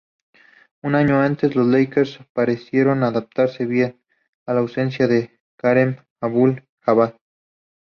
Un año antes, los Lakers parecieron adaptarse bien, a la ausencia de Kareem Abdul-Jabbar.